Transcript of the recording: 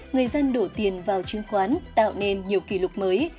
người dân đổ tiền vào chứng khoán tạo nên nhiều kỷ lục mới